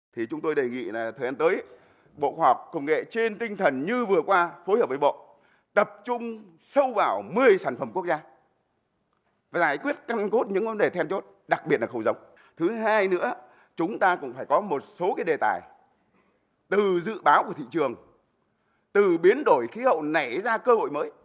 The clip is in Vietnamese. trong lĩnh vực sản xuất nông nghiệp khoa học và công nghệ phải có một số đề tài từ dự báo của thị trường từ biến đổi khí hậu nảy ra cơ hội mới